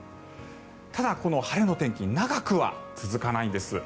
ただ、この晴れの天気長くは続かないんです。